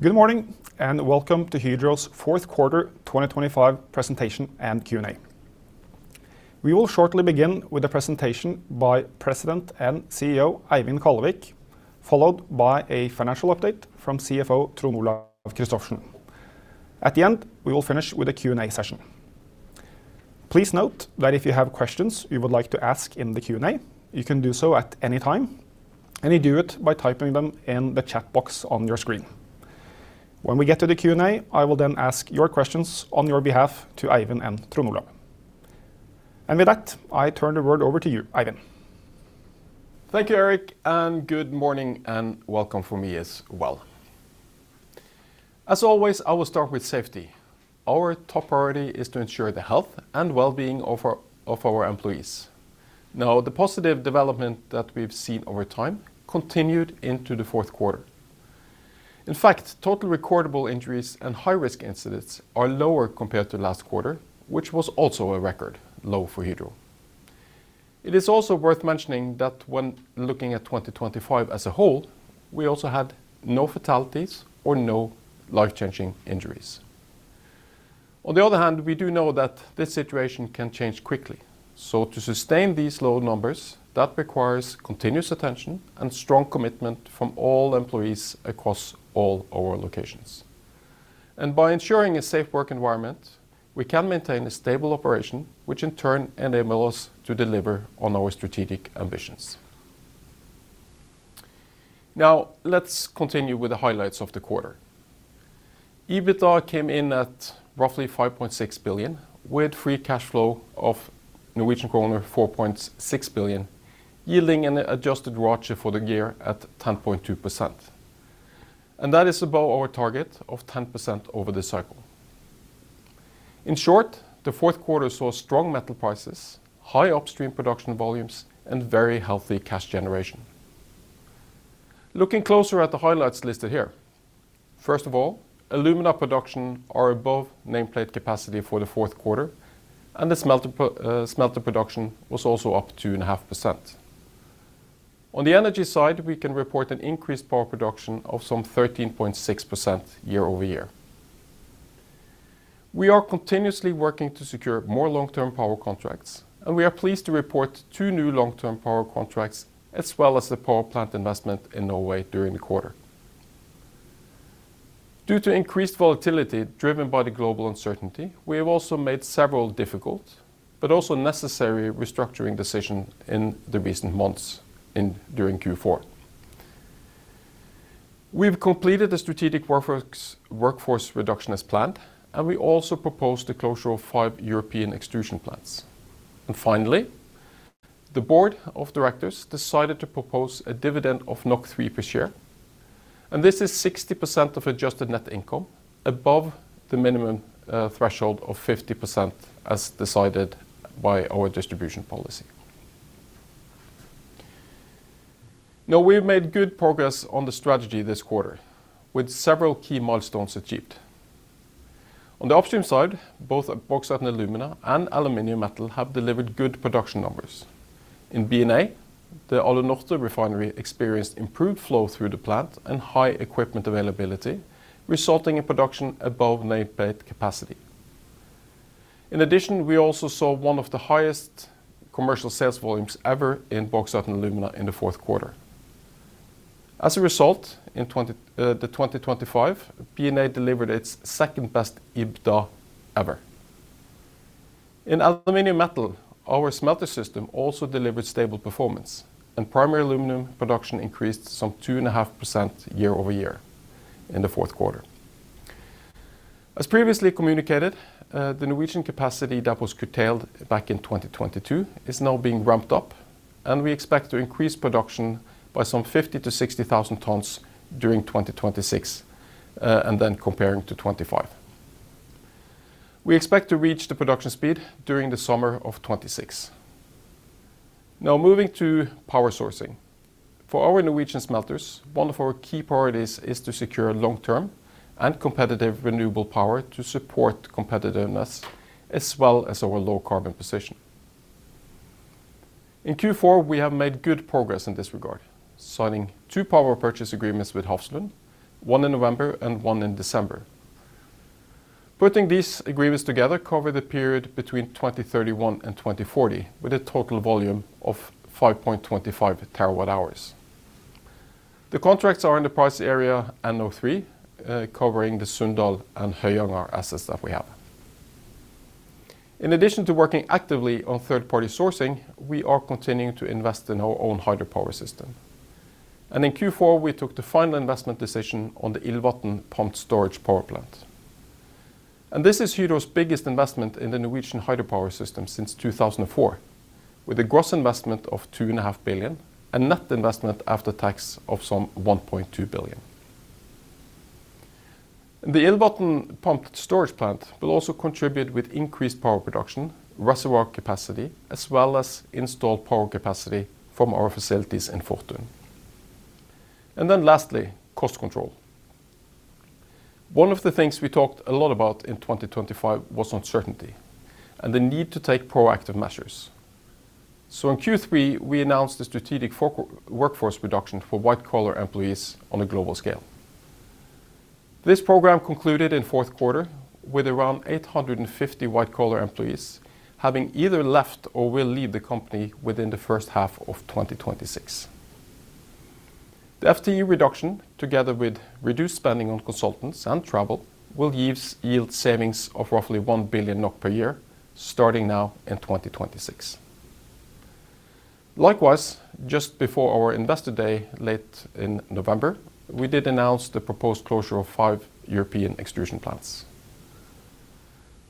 Good morning, and welcome to Hydro's Fourth Quarter 2025 Presentation and Q&A. We will shortly begin with a presentation by President and CEO, Eivind Kallevik, followed by a financial update from CFO, Trond Olaf Christophersen. At the end, we will finish with a Q&A session. Please note that if you have questions you would like to ask in the Q&A, you can do so at any time, and you do it by typing them in the chat box on your screen. When we get to the Q&A, I will then ask your questions on your behalf to Eivind and Trond Olaf. And with that, I turn the word over to you, Eivind. Thank you, Erik, and good morning, and welcome from me as well. As always, I will start with safety. Our top priority is to ensure the health and well-being of our employees. Now, the positive development that we've seen over time continued into the fourth quarter. In fact, total recordable injuries and high-risk incidents are lower compared to last quarter, which was also a record low for Hydro. It is also worth mentioning that when looking at 2025 as a whole, we also had no fatalities or no life-changing injuries. On the other hand, we do know that this situation can change quickly, so to sustain these low numbers, that requires continuous attention and strong commitment from all employees across all our locations. And by ensuring a safe work environment, we can maintain a stable operation, which in turn enable us to deliver on our strategic ambitions. Now, let's continue with the highlights of the quarter. EBITDA came in at roughly 5.6 billion, with free cash flow of Norwegian kroner 4.6 billion, yielding an adjusted RoaCE for the year at 10.2%, and that is above our target of 10% over this cycle. In short, the fourth quarter saw strong metal prices, high upstream production volumes, and very healthy cash generation. Looking closer at the highlights listed here, first of all, alumina production are above nameplate capacity for the fourth quarter, and the smelter production was also up 2.5%. On the energy side, we can report an increased power production of some 13.6% year-over-year. We are continuously working to secure more long-term power contracts, and we are pleased to report two new long-term power contracts, as well as the power plant investment in Norway during the quarter. Due to increased volatility driven by the global uncertainty, we have also made several difficult, but also necessary restructuring decisions in the recent months during Q4. We've completed the strategic workforce reduction as planned, and we also proposed the closure of five European extrusion plants. And finally, the board of directors decided to propose a dividend of 3 per share, and this is 60% of adjusted net income, above the minimum threshold of 50%, as decided by our distribution policy. Now, we've made good progress on the strategy this quarter, with several key milestones achieved. On the upstream side, both Bauxite and Alumina and Aluminum Metal have delivered good production numbers. In B&A, the Alunorte refinery experienced improved flow through the plant and high equipment availability, resulting in production above nameplate capacity. In addition, we also saw one of the highest commercial sales volumes ever in Bauxite and Alumina in the fourth quarter. As a result, in 2025, B&A delivered its second-best EBITDA ever. In Aluminum Metal, our smelter system also delivered stable performance, and primary aluminum production increased some 2.5% year-over-year in the fourth quarter. As previously communicated, the Norwegian capacity that was curtailed back in 2022 is now being ramped up, and we expect to increase production by some 50,000-60,000 tons during 2026, and then comparing to 2025. We expect to reach the production speed during the summer of 2026. Now, moving to power sourcing. For our Norwegian smelters, one of our key priorities is to secure long-term and competitive renewable power to support competitiveness, as well as our low-carbon position. In Q4, we have made good progress in this regard, signing two power purchase agreements with Hafslund, one in November and one in December. Putting these agreements together cover the period between 2031 and 2040, with a total volume of 5.25 TWh. The contracts are in the price area NO3, covering the Sunndal and Høyanger assets that we have. In addition to working actively on third-party sourcing, we are continuing to invest in our own hydropower system. In Q4, we took the final investment decision on the Illvatn pumped storage power plant. This is Hydro's biggest investment in the Norwegian hydropower system since 2004, with a gross investment of 2.5 billion and net investment after tax of some 1.2 billion. The Illvatn pumped storage plant will also contribute with increased power production, reservoir capacity, as well as installed power capacity from our facilities in Fortun. And then lastly, cost control. One of the things we talked a lot about in 2025 was uncertainty and the need to take proactive measures. So in Q3, we announced a strategic focus on workforce reduction for white-collar employees on a global scale. This program concluded in fourth quarter, with around 850 white-collar employees having either left or will leave the company within the first half of 2026. The FTE reduction, together with reduced spending on consultants and travel, will yield savings of roughly 1 billion NOK per year, starting now in 2026. Likewise, just before our Investor Day, late in November, we did announce the proposed closure of five European extrusion plants.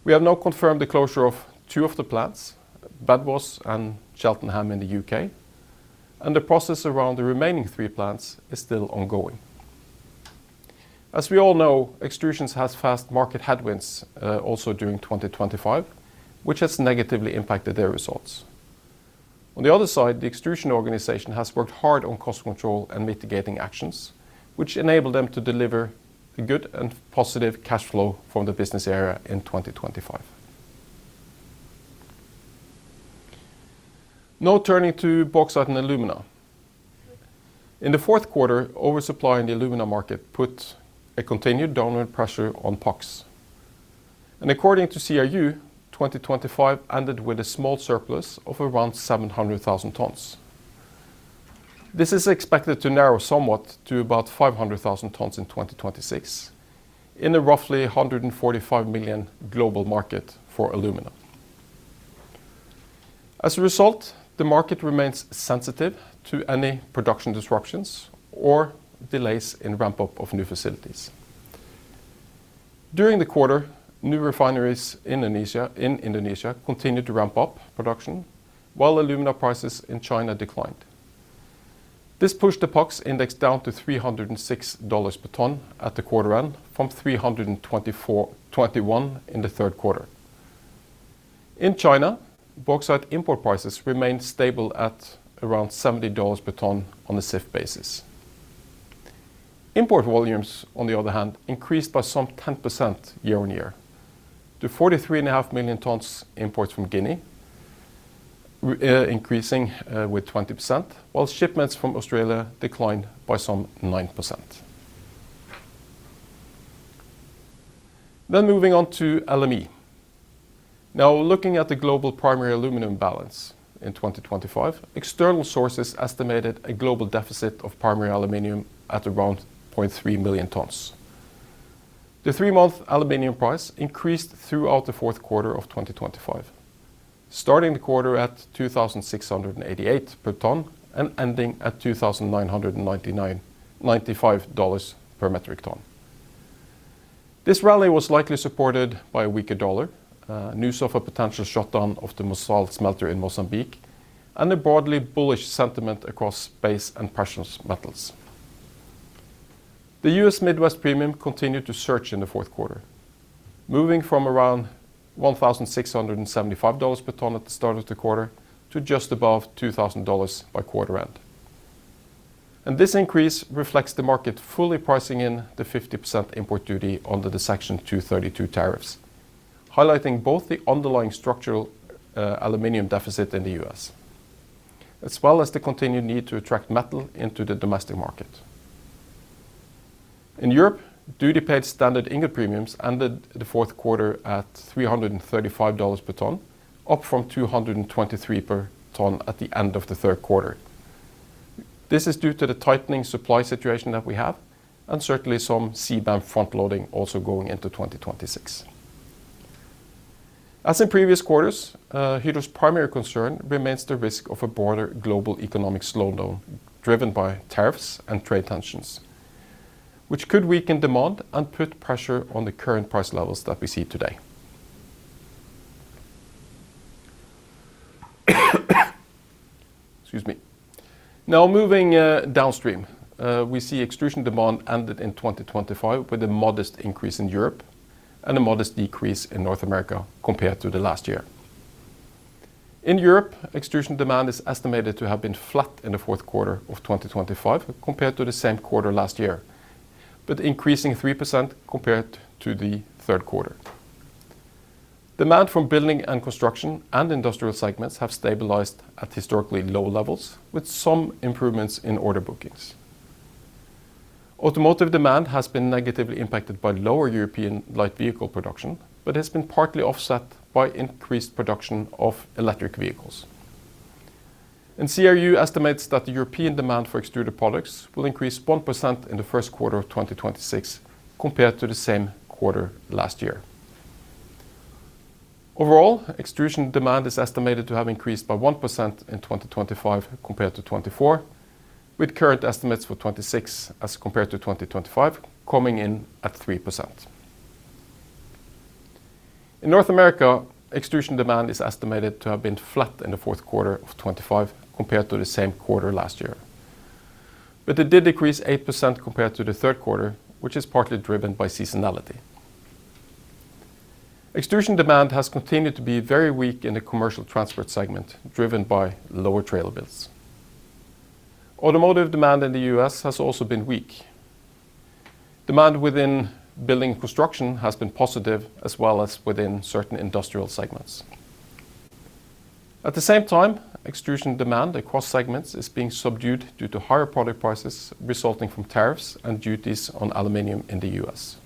We have now confirmed the closure of two of the plants, Bedwas and Cheltenham in the U.K., and the process around the remaining three plants is still ongoing. As we all know, Extrusions has faced market headwinds, also during 2025, which has negatively impacted their results. On the other side, the Extrusion organization has worked hard on cost control and mitigating actions, which enabled them to deliver a good and positive cash flow from the business area in 2025. Now, turning to Bauxite and Alumina. In the fourth quarter, oversupply in the alumina market put a continued downward pressure on PAX. According to CRU, 2025 ended with a small surplus of around 700,000 tons. This is expected to narrow somewhat to about 500,000 tons in 2026, in a roughly 145 million global market for alumina. As a result, the market remains sensitive to any production disruptions or delays in ramp-up of new facilities. During the quarter, new refineries in Indonesia continued to ramp up production, while alumina prices in China declined. This pushed the PAX index down to $306 per ton at the quarter end, from $324-$321 in the third quarter. In China, bauxite import prices remained stable at around $70 per ton on a CIF basis. Import volumes, on the other hand, increased by some 10% year-on-year to 43.5 million tons imports from Guinea, increasing with 20%, while shipments from Australia declined by some 9%. Then moving on to LME. Now, looking at the global primary aluminum balance in 2025, external sources estimated a global deficit of primary aluminum at around 0.3 million tons. The three-month aluminum price increased throughout the fourth quarter of 2025, starting the quarter at $2,688 per ton and ending at $2,995 per metric ton. This rally was likely supported by a weaker dollar, news of a potential shutdown of the Mozal smelter in Mozambique, and a broadly bullish sentiment across base and precious metals. The U.S. Midwest Premium continued to surge in the fourth quarter, moving from around $1,675 per ton at the start of the quarter to just above $2,000 by quarter end. This increase reflects the market fully pricing in the 50% import duty under the Section 232 tariffs, highlighting both the underlying structural aluminum deficit in the U.S., as well as the continued need to attract metal into the domestic market. In Europe, duty-paid standard ingot premiums ended the fourth quarter at $335 per ton, up from $223 per ton at the end of the third quarter. This is due to the tightening supply situation that we have, and certainly some CBAM front-loading also going into 2026. As in previous quarters, Hydro's primary concern remains the risk of a broader global economic slowdown, driven by tariffs and trade tensions, which could weaken demand and put pressure on the current price levels that we see today. Excuse me. Now, moving downstream, we see extrusion demand ended in 2025 with a modest increase in Europe and a modest decrease in North America compared to the last year. In Europe, extrusion demand is estimated to have been flat in the fourth quarter of 2025 compared to the same quarter last year, but increasing 3% compared to the third quarter. Demand from building and construction and industrial segments have stabilized at historically low levels, with some improvements in order bookings. Automotive demand has been negatively impacted by lower European light vehicle production, but has been partly offset by increased production of electric vehicles. CRU estimates that the European demand for extruded products will increase 1% in the first quarter of 2026 compared to the same quarter last year. Overall, extrusion demand is estimated to have increased by 1% in 2025 compared to 2024, with current estimates for 2026 as compared to 2025 coming in at 3%. In North America, extrusion demand is estimated to have been flat in the fourth quarter of 2025 compared to the same quarter last year. But it did decrease 8% compared to the third quarter, which is partly driven by seasonality. Extrusion demand has continued to be very weak in the commercial transport segment, driven by lower trailer builds. Automotive demand in the U.S. has also been weak. Demand within building construction has been positive, as well as within certain industrial segments. At the same time, extrusion demand across segments is being subdued due to higher product prices resulting from tariffs and duties on aluminum in the U.S.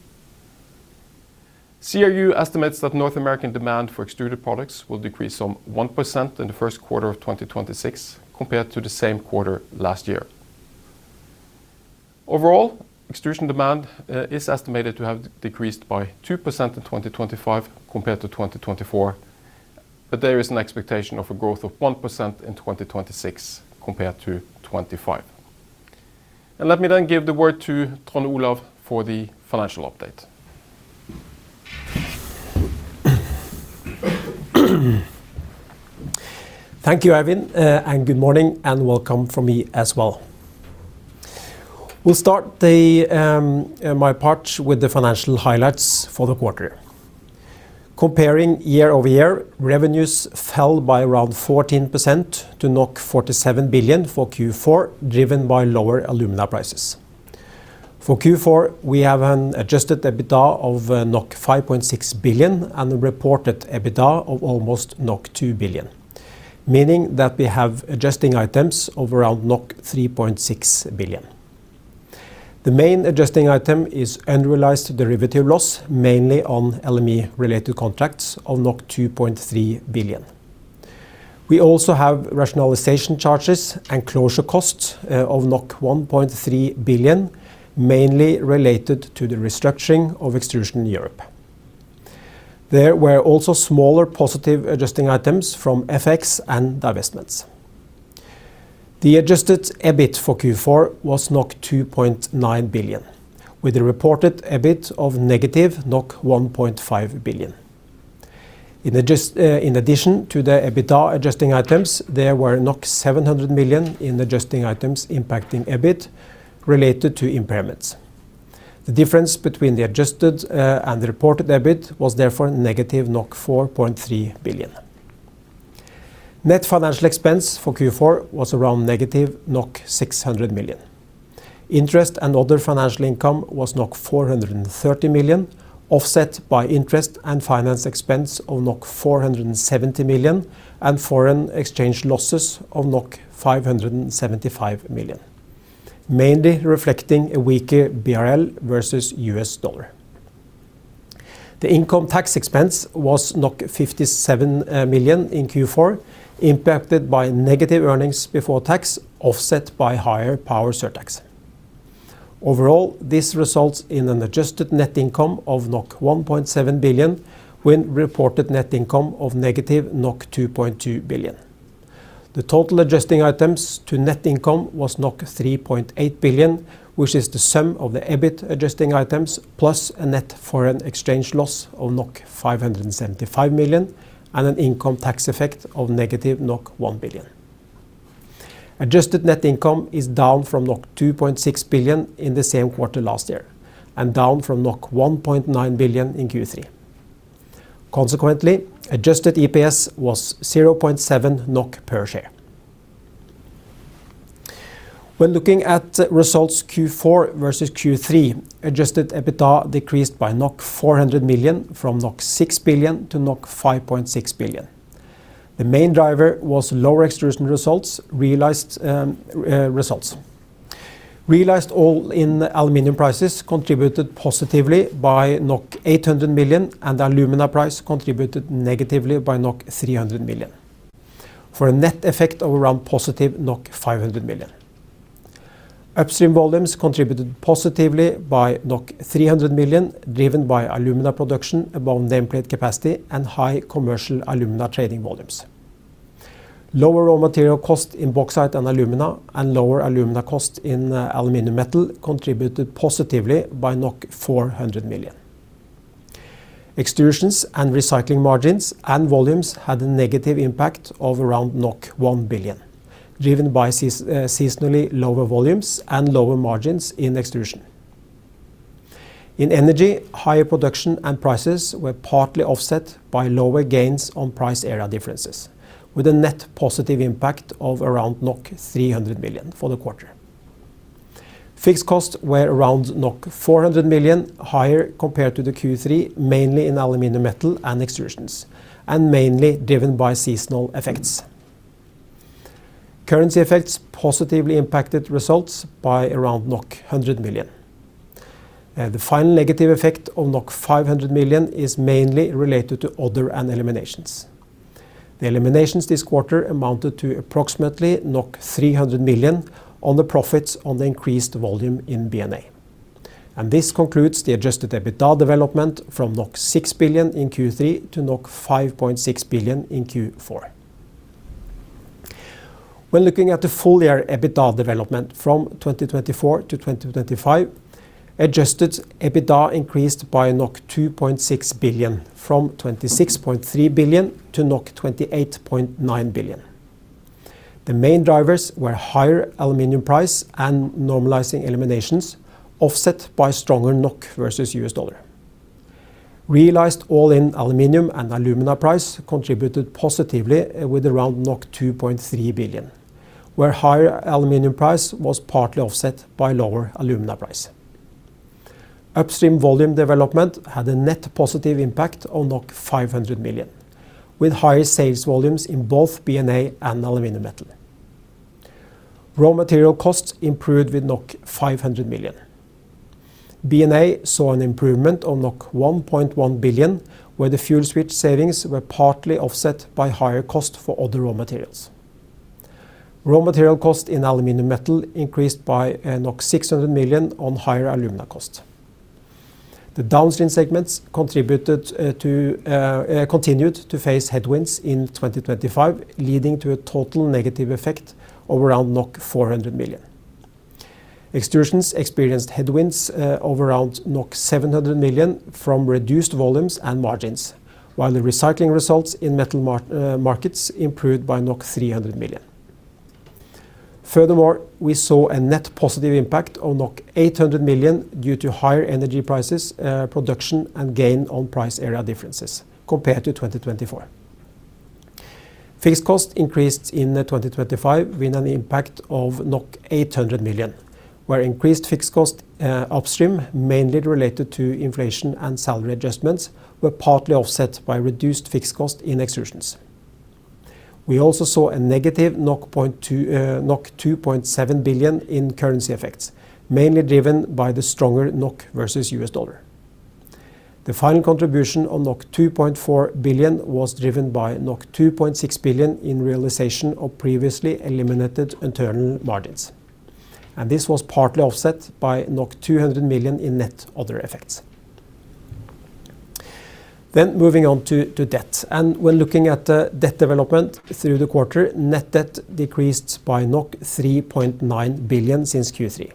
CRU estimates that North American demand for extruded products will decrease by 1% in the first quarter of 2026 compared to the same quarter last year. Overall, extrusion demand is estimated to have decreased by 2% in 2025 compared to 2024, but there is an expectation of a growth of 1% in 2026 compared to 2025. Let me then give the word to Trond Olaf for the financial update. Thank you, Eivind, and good morning, and welcome from me as well. We'll start my part with the financial highlights for the quarter. Comparing year-over-year, revenues fell by around 14% to 47 billion for Q4, driven by lower alumina prices. For Q4, we have an adjusted EBITDA of 5.6 billion and reported EBITDA of almost 2 billion, meaning that we have adjusting items of around 3.6 billion. The main adjusting item is unrealized derivative loss, mainly on LME-related contracts of 2.3 billion. We also have rationalization charges and closure costs of 1.3 billion, mainly related to the restructuring of extrusion in Europe. There were also smaller positive adjusting items from FX and divestments. The adjusted EBIT for Q4 was 2.9 billion, with a reported EBIT of negative 1.5 billion. In addition to the EBITDA adjusting items, there were 700 million in adjusting items impacting EBIT related to impairments. The difference between the adjusted and the reported EBIT was therefore negative 4.3 billion. Net financial expense for Q4 was around negative 600 million. Interest and other financial income was 430 million, offset by interest and finance expense of 470 million, and foreign exchange losses of 575 million, mainly reflecting a weaker Brazilian real versus U.S. dollar. The income tax expense was 57 million in Q4, impacted by negative earnings before tax, offset by higher power surtax. Overall, this results in an adjusted net income of 1.7 billion, when reported net income of negative 2.2 billion. The total adjusting items to net income was 3.8 billion, which is the sum of the EBIT adjusting items, plus a net foreign exchange loss of 575 million, and an income tax effect of negative 1 billion. Adjusted net income is down from 2.6 billion in the same quarter last year, and down from 1.9 billion in Q3. Consequently, adjusted EPS was 0.7 NOK per share. When looking at results Q4 versus Q3, adjusted EBITDA decreased by 400 million, from 6 billion to 5.6 billion. The main driver was lower extrusion results, realized results. Realized all-in aluminum prices contributed positively by 800 million, and alumina price contributed negatively by 300 million, for a net effect of around positive 500 million. Upstream volumes contributed positively by 300 million, driven by alumina production above nameplate capacity and high commercial alumina trading volumes. Lower raw material cost in Bauxite and Alumina, and lower alumina cost in Aluminum Metal, contributed positively by 400 million. Extrusions and recycling margins and volumes had a negative impact of around 1 billion, driven by seasonally lower volumes and lower margins in extrusion. In energy, higher production and prices were partly offset by lower gains on price area differences, with a net positive impact of around 300 million for the quarter. Fixed costs were around 400 million, higher compared to the Q3, mainly in aluminum, metal and extrusions, and mainly driven by seasonal effects. Currency effects positively impacted results by around 100 million. The final negative effect of 500 million is mainly related to other and eliminations. The eliminations this quarter amounted to approximately 300 million on the profits on the increased volume in B&A. This concludes the adjusted EBITDA development from 6 billion in Q3 to 5.6 billion in Q4. When looking at the full year EBITDA development from 2024 to 2025, adjusted EBITDA increased by 2.6 billion, from 26.3 billion to 28.9 billion. The main drivers were higher aluminum price and normalizing eliminations, offset by stronger NOK versus U.S. dollar. Realized all-in aluminum and alumina price contributed positively with around 2.3 billion, where higher aluminum price was partly offset by lower alumina price. Upstream volume development had a net positive impact on 500 million, with higher sales volumes in both B&A and Aluminum Metal. Raw material costs improved with 500 million. B&A saw an improvement on 1.1 billion, where the fuel switch savings were partly offset by higher cost for other raw materials. Raw material cost in Aluminum Metal increased by 600 million on higher alumina cost. The downstream segments continued to face headwinds in 2025, leading to a total negative effect of around 400 million. Extrusions experienced headwinds of around 700 million from reduced volumes and margins, while the recycling results in Metal Markets improved by NOK 300 million. Furthermore, we saw a net positive impact on NOK 800 million due to higher energy prices, production, and gain on price area differences compared to 2024. Fixed cost increased in 2025, with an impact of 800 million, where increased fixed cost upstream, mainly related to inflation and salary adjustments, were partly offset by reduced fixed cost in extrusions. We also saw a negative NOK 0.2-- 2.7 billion in currency effects, mainly driven by the stronger NOK versus U.S. dollar. The final contribution of 2.4 billion was driven by 2.6 billion in realization of previously eliminated internal margins, and this was partly offset by NOK 200 million in net other effects. Then moving on to debt. When looking at the debt development through the quarter, net debt decreased by 3.9 billion since Q3.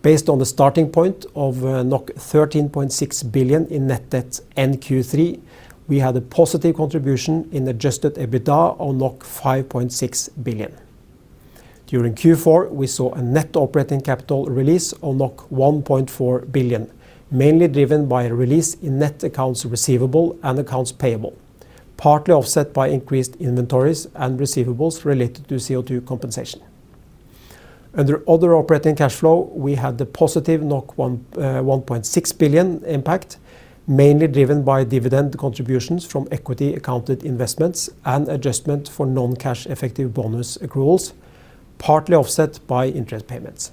Based on the starting point of 13.6 billion in net debt in Q3, we had a positive contribution in adjusted EBITDA of 5.6 billion. During Q4, we saw a net operating capital release of 1.4 billion, mainly driven by a release in net accounts receivable and accounts payable, partly offset by increased inventories and receivables related to CO2 compensation. Under other operating cash flow, we had the positive 1.6 billion impact, mainly driven by dividend contributions from equity accounted investments and adjustment for non-cash effective bonus accruals, partly offset by interest payments.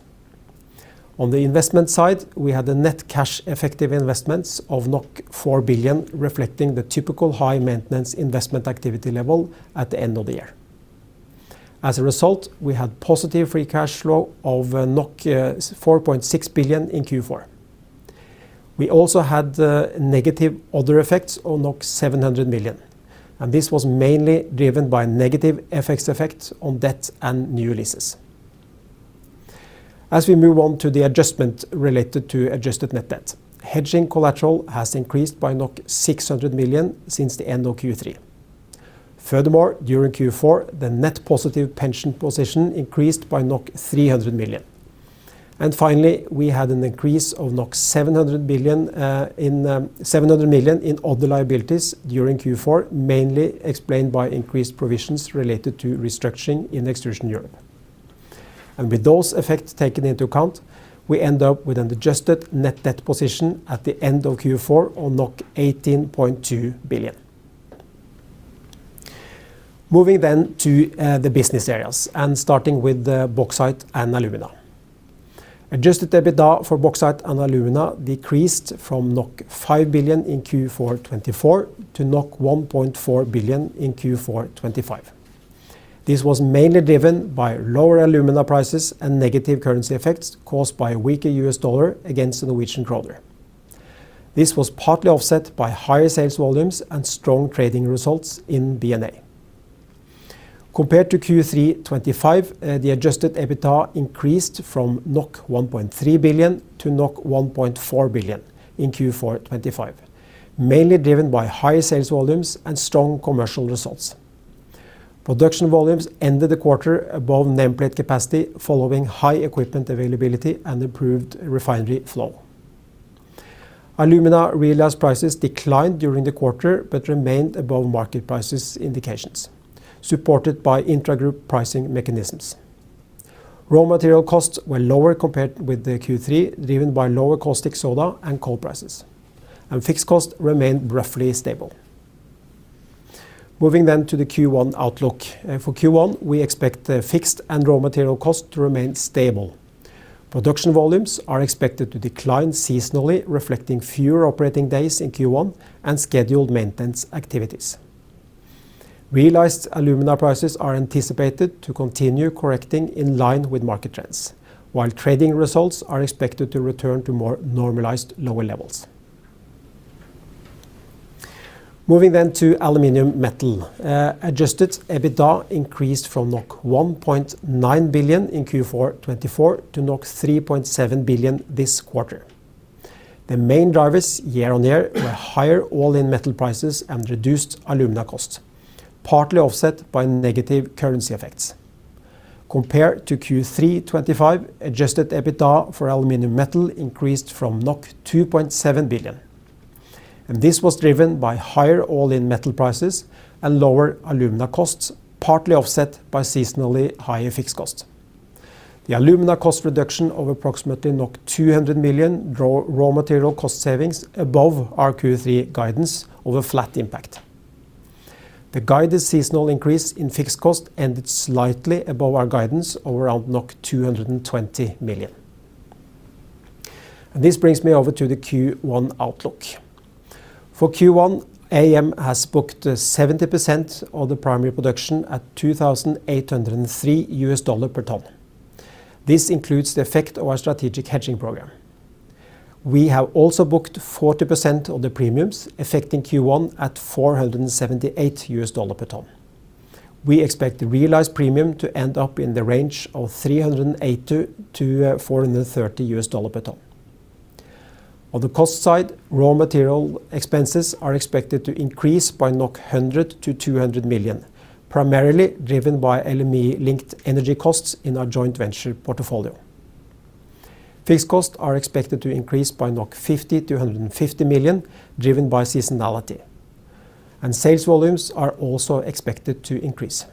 On the investment side, we had a net cash effective investments of NOK 4 billion, reflecting the typical high maintenance investment activity level at the end of the year. As a result, we had positive free cash flow of 4.6 billion in Q4. We also had negative other effects on 700 million, and this was mainly driven by negative FX effects on debt and new leases. As we move on to the adjustment related to adjusted net debt, hedging collateral has increased by 600 million since the end of Q3. Furthermore, during Q4, the net positive pension position increased by 300 million. Finally, we had an increase of 700 million in other liabilities during Q4, mainly explained by increased provisions related to restructuring in Extrusion Europe. With those effects taken into account, we end up with an adjusted net debt position at the end of Q4 on 18.2 billion. Moving then to the business areas, and starting with the Bauxite and Alumina. Adjusted EBITDA for Bauxite and Alumina decreased from 5 billion in Q4 2024 to 1.4 billion in Q4 2025. This was mainly driven by lower alumina prices and negative currency effects caused by a weaker U.S. dollar against the Norwegian kroner. This was partly offset by higher sales volumes and strong trading results in B&A. Compared to Q3 2025, the adjusted EBITDA increased from 1.3 billion to 1.4 billion in Q4 2025, mainly driven by higher sales volumes and strong commercial results. Production volumes ended the quarter above nameplate capacity, following high equipment availability and improved refinery flow. Alumina realized prices declined during the quarter, but remained above market prices indications, supported by intragroup pricing mechanisms. Raw material costs were lower compared with the Q3, driven by lower caustic soda and coal prices, and fixed costs remained roughly stable. Moving then to the Q1 outlook. For Q1, we expect the fixed and raw material costs to remain stable. Production volumes are expected to decline seasonally, reflecting fewer operating days in Q1 and scheduled maintenance activities. Realized alumina prices are anticipated to continue correcting in line with market trends, while trading results are expected to return to more normalized, lower levels. Moving then to Aluminum Metal. Adjusted EBITDA increased from 1.9 billion in Q4 2024 to 3.7 billion this quarter. The main drivers year on year were higher all-in metal prices and reduced alumina costs, partly offset by negative currency effects. Compared to Q3 2025, adjusted EBITDA for Aluminum Metal increased from 2.7 billion. And this was driven by higher all-in metal prices and lower alumina costs, partly offset by seasonally higher fixed costs. The alumina cost reduction of approximately 200 million, raw material cost savings above our Q3 guidance of a flat impact. The guided seasonal increase in fixed cost ended slightly above our guidance of around 200 million. This brings me over to the Q1 outlook. For Q1, AM has booked 70% of the primary production at $2,803 per ton. This includes the effect of our strategic hedging program. We have also booked 40% of the premiums affecting Q1 at $478 per ton. We expect the realized premium to end up in the range of $380-$430 per ton. On the cost side, raw material expenses are expected to increase by 100 million-200 million, primarily driven by LME-linked energy costs in our joint venture portfolio. Fixed costs are expected to increase by 50 million-150 million, driven by seasonality. Sales volumes are also expected to increase.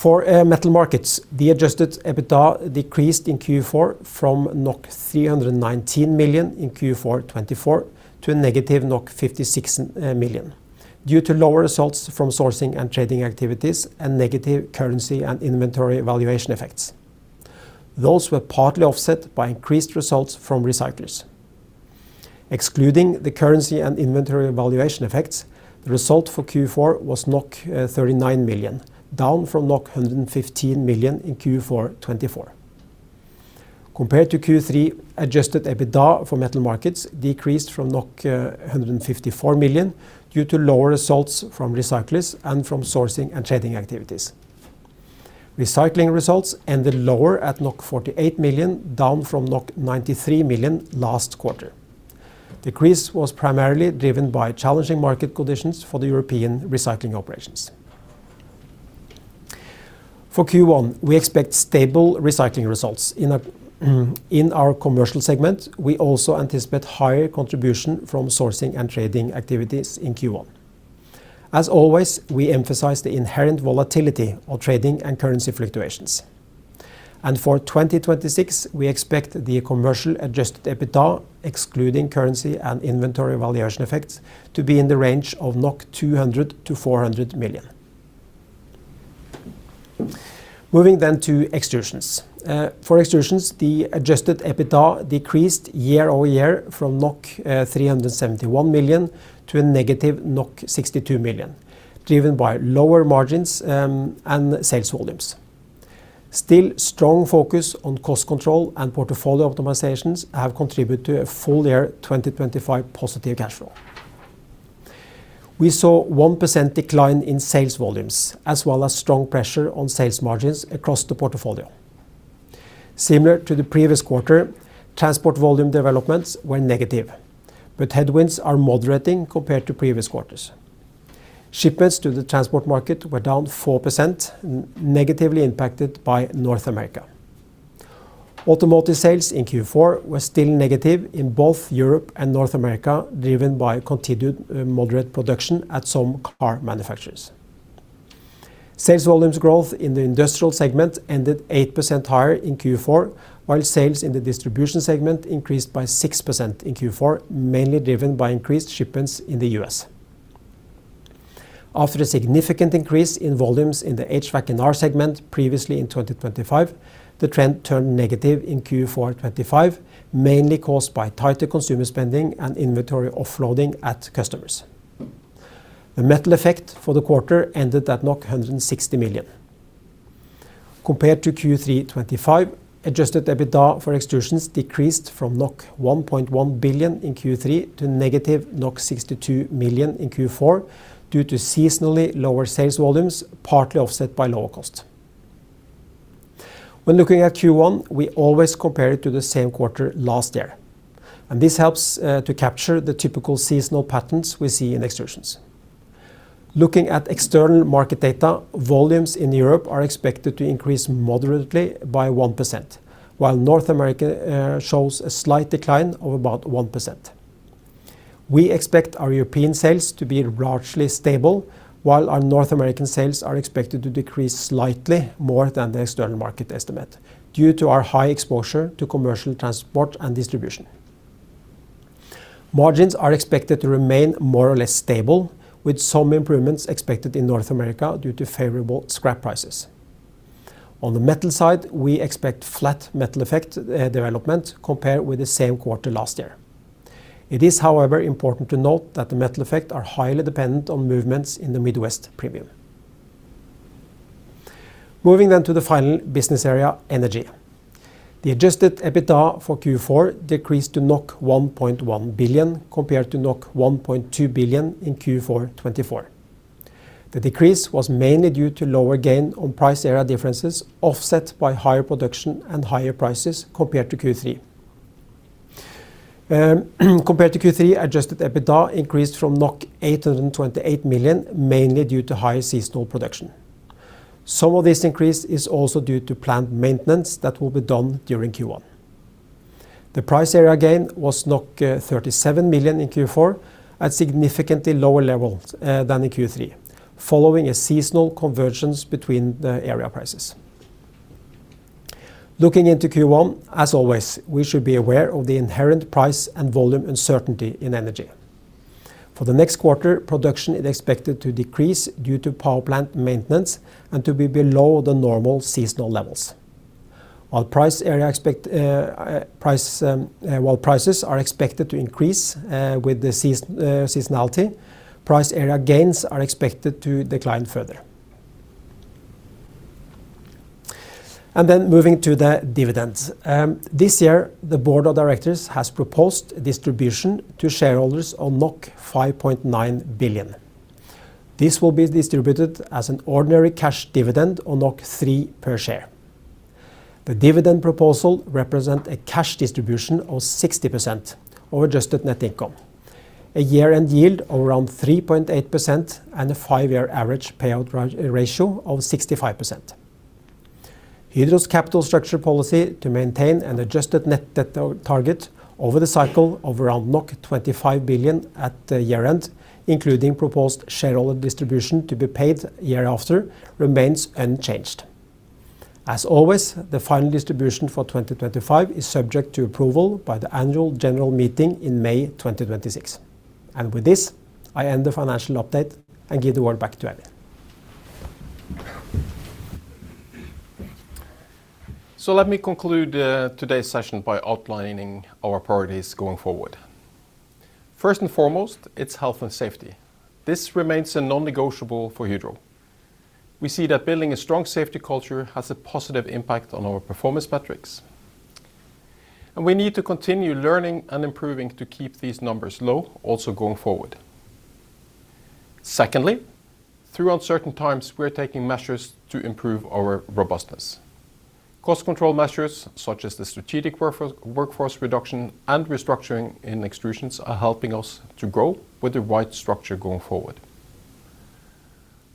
For Metal Markets, the adjusted EBITDA decreased in Q4 from 319 million in Q4 2024 to a negative 56 million, due to lower results from sourcing and trading activities and negative currency and inventory valuation effects. Those were partly offset by increased results from recyclers. Excluding the currency and inventory valuation effects, the result for Q4 was 39 million, down from 115 million in Q4 2024. Compared to Q3, adjusted EBITDA for Metal Markets decreased from NOK 154 million, due to lower results from recyclers and from sourcing and trading activities. Recycling results ended lower at 48 million, down from 93 million last quarter. Decrease was primarily driven by challenging market conditions for the European recycling operations. For Q1, we expect stable recycling results. In our, in our commercial segment, we also anticipate higher contribution from sourcing and trading activities in Q1. As always, we emphasize the inherent volatility of trading and currency fluctuations. For 2026, we expect the commercial adjusted EBITDA, excluding currency and inventory valuation effects, to be in the range of 200 million-400 million. Moving then to Extrusions. For Extrusions, the adjusted EBITDA decreased year-over-year from 371 million to negative 62 million, driven by lower margins and sales volumes. Still strong focus on cost control and portfolio optimizations have contributed to a full year 2025 positive cash flow. We saw 1% decline in sales volumes, as well as strong pressure on sales margins across the portfolio. Similar to the previous quarter, transport volume developments were negative, but headwinds are moderating compared to previous quarters. Shipments to the transport market were down 4%, negatively impacted by North America. Automotive sales in Q4 were still negative in both Europe and North America, driven by continued moderate production at some car manufacturers. Sales volumes growth in the industrial segment ended 8% higher in Q4, while sales in the distribution segment increased by 6% in Q4, mainly driven by increased shipments in the U.S. After a significant increase in volumes in the HVAC&R segment previously in 2025, the trend turned negative in Q4 2025, mainly caused by tighter consumer spending and inventory offloading at customers. The metal effect for the quarter ended at 160 million. Compared to Q3 2025, adjusted EBITDA for Extrusions decreased from 1.1 billion in Q3 to negative 62 million in Q4, due to seasonally lower sales volumes, partly offset by lower cost. When looking at Q1, we always compare it to the same quarter last year, and this helps to capture the typical seasonal patterns we see in Extrusions. Looking at external market data, volumes in Europe are expected to increase moderately by 1%, while North America shows a slight decline of about 1%. We expect our European sales to be largely stable, while our North American sales are expected to decrease slightly more than the external market estimate, due to our high exposure to commercial transport and distribution. Margins are expected to remain more or less stable, with some improvements expected in North America due to favorable scrap prices. On the metal side, we expect flat metal effect development compared with the same quarter last year. It is, however, important to note that the metal effect are highly dependent on movements in the Midwest Premium. Moving then to the final business area, Energy. The adjusted EBITDA for Q4 decreased to 1.1 billion, compared to 1.2 billion in Q4 2024. The decrease was mainly due to lower gain on price area differences, offset by higher production and higher prices compared to Q3. Compared to Q3, adjusted EBITDA increased from 828 million, mainly due to high seasonal production. Some of this increase is also due to planned maintenance that will be done during Q1. The price area gain was 37 million in Q4, at significantly lower levels than in Q3, following a seasonal convergence between the area prices. Looking into Q1, as always, we should be aware of the inherent price and volume uncertainty in energy. For the next quarter, production is expected to decrease due to power plant maintenance and to be below the normal seasonal levels. While prices are expected to increase with the seasonality, price area gains are expected to decline further. And then moving to the dividends. This year, the board of directors has proposed a distribution to shareholders of 5.9 billion. This will be distributed as an ordinary cash dividend of 3 per share. The dividend proposal represent a cash distribution of 60% of adjusted net income, a year-end yield of around 3.8%, and a five-year average payout ratio of 65%. Hydro's capital structure policy to maintain an adjusted net debt target over the cycle of around 25 billion at the year-end, including proposed shareholder distribution to be paid the year after, remains unchanged. As always, the final distribution for 2025 is subject to approval by the Annual General Meeting in May 2026. And with this, I end the financial update and give the word back to Eivind. So let me conclude, today's session by outlining our priorities going forward. First and foremost, it's health and safety. This remains a non-negotiable for Hydro. We see that building a strong safety culture has a positive impact on our performance metrics, and we need to continue learning and improving to keep these numbers low, also going forward. Secondly, through uncertain times, we're taking measures to improve our robustness. Cost control measures, such as the strategic workforce reduction and restructuring in Extrusions, are helping us to grow with the right structure going forward.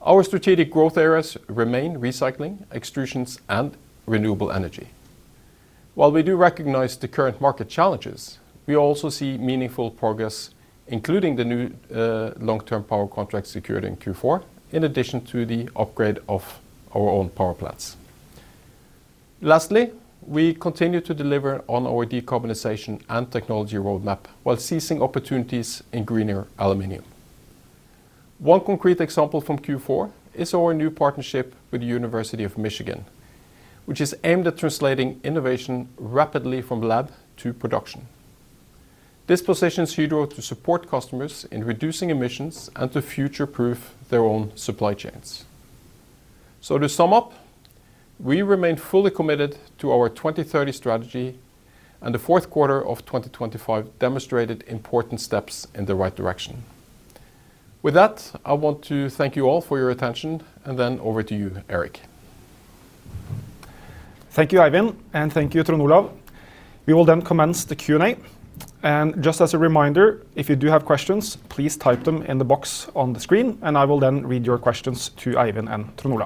Our strategic growth areas remain recycling, extrusions, and renewable energy. While we do recognize the current market challenges, we also see meaningful progress, including the new, long-term power contract secured in Q4, in addition to the upgrade of our own power plants. Lastly, we continue to deliver on our decarbonization and technology roadmap while seizing opportunities in greener aluminum. One concrete example from Q4 is our new partnership with the University of Michigan, which is aimed at translating innovation rapidly from lab to production. This positions Hydro to support customers in reducing emissions and to future-proof their own supply chains. So to sum up, we remain fully committed to our 2030 strategy, and the fourth quarter of 2025 demonstrated important steps in the right direction. With that, I want to thank you all for your attention, and then over to you, Erik. Thank you, Eivind, and thank you, Trond Olaf. We will then commence the Q&A. Just as a reminder, if you do have questions, please type them in the box on the screen, and I will then read your questions to Eivind and Trond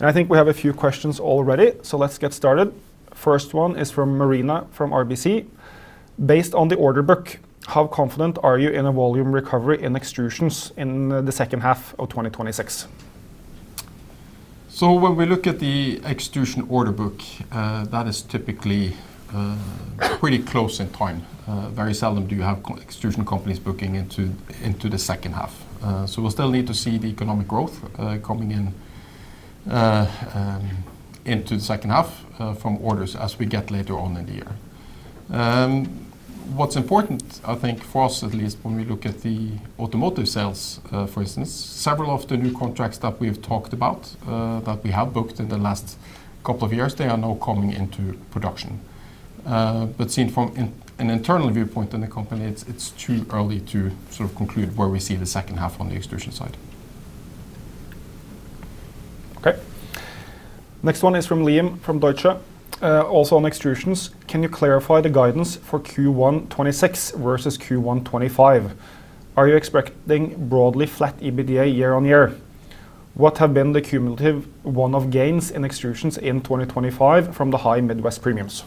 Olaf. I think we have a few questions already, so let's get started. First one is from Marina, from RBC: Based on the order book, how confident are you in a volume recovery in Extrusions in the second half of 2026? So when we look at the Extrusion order book, that is typically pretty close in time. Very seldom do you have co-extrusion companies booking into the second half. So we'll still need to see the economic growth coming into the second half from orders as we get later on in the year. What's important, I think, for us at least, when we look at the automotive sales, for instance, several of the new contracts that we've talked about that we have booked in the last couple of years, they are now coming into production. But seen from an internal viewpoint in the company, it's too early to sort of conclude where we see the second half on the Extrusion side. Okay. Next one is from Liam, from Deutsche. Also on Extrusions, can you clarify the guidance for Q1 2026 versus Q1 2025? Are you expecting broadly flat EBITDA year on year? What have been the cumulative one-off gains in Extrusions in 2025 from the high Midwest Premiums?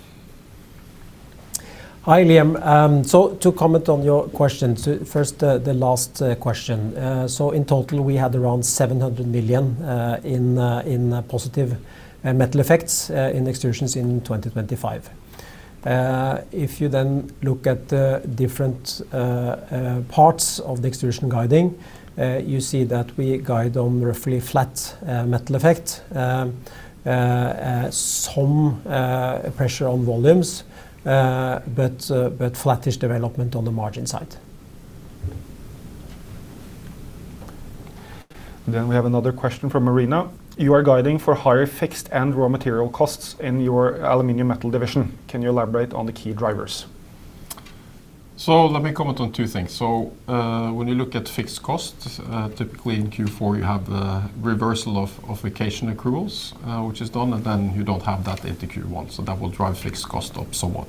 Hi, Liam. So to comment on your question, so first, the last question. So in total, we had around 700 million in positive metal effects in Extrusions in 2025. If you then look at the different parts of the Extrusions guiding, you see that we guide on roughly flat metal effect. Some pressure on volumes, but flattish development on the margin side. Then we have another question from Marina: You are guiding for higher fixed and raw material costs in your Aluminum Metal Division. Can you elaborate on the key drivers? So let me comment on two things. So, when you look at fixed costs, typically in Q4, you have the reversal of vacation accruals, which is done, and then you don't have that into Q1, so that will drive fixed cost up somewhat.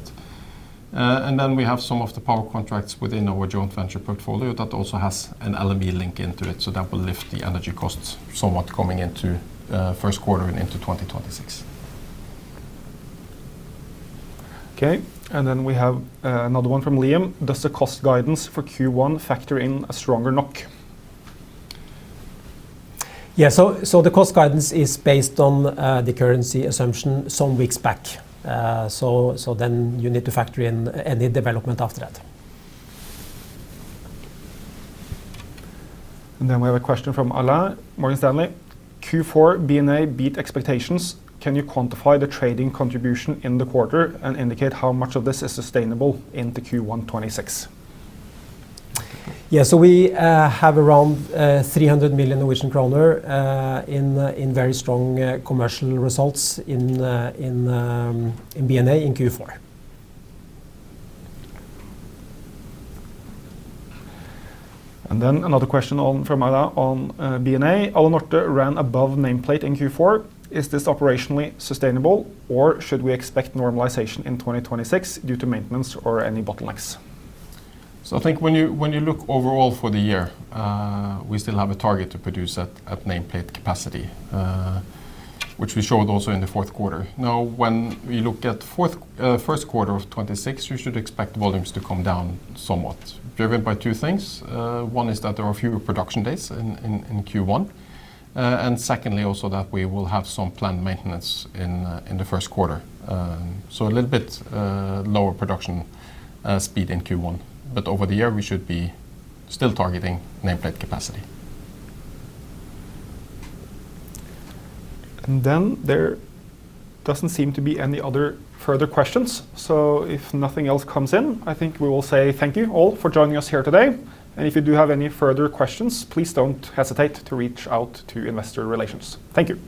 And then we have some of the power contracts within our joint venture portfolio that also has an LME link into it, so that will lift the energy costs somewhat coming into first quarter and into 2026. Okay, and then we have another one from Liam: Does the cost guidance for Q1 factor in a stronger NOK? Yeah. So the cost guidance is based on the currency assumption some weeks back. So then you need to factor in any development after that. Then we have a question from Alain, Morgan Stanley. Q4 B&A beat expectations. Can you quantify the trading contribution in the quarter and indicate how much of this is sustainable into Q1 2026? Yeah. So we have around 300 million Norwegian kroner in very strong commercial results in the B&A in Q4. Another question from Alain on B&A. Alunorte ran above nameplate in Q4. Is this operationally sustainable, or should we expect normalization in 2026 due to maintenance or any bottlenecks? So I think when you, when you look overall for the year, we still have a target to produce at nameplate capacity, which we showed also in the fourth quarter. Now, when we look at first quarter of 2026, you should expect volumes to come down somewhat, driven by two things. One is that there are fewer production days in Q1. And secondly, also that we will have some planned maintenance in the first quarter. So a little bit lower production speed in Q1. But over the year, we should be still targeting nameplate capacity. And then there doesn't seem to be any other further questions, so if nothing else comes in, I think we will say thank you all for joining us here today. And if you do have any further questions, please don't hesitate to reach out to Investor Relations. Thank you.